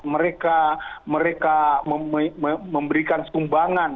mereka memberikan sumbangan